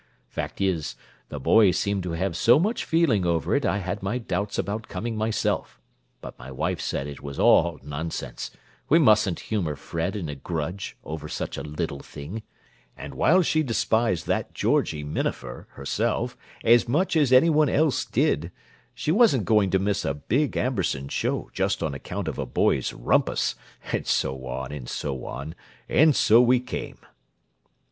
Fact is, the boy seemed to have so much feeling over it I had my doubts about coming myself, but my wife said it was all nonsense; we mustn't humour Fred in a grudge over such a little thing, and while she despised that Georgie Minafer, herself, as much as any one else did, she wasn't going to miss a big Amberson show just on account of a boys' rumpus, and so on and so on; and so we came."